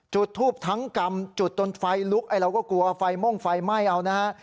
จุดทูบทั้งกรรมจุดจนไฟลุกไอ้เราก็กลัวไฟม่วงไฟไหม้เอานะฮะ